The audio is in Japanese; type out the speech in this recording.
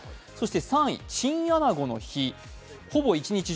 ３位、チンアナゴの日、ほぼ一日中